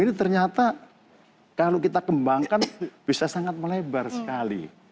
jadi ternyata kalau kita kembangkan bisa sangat melebar sekali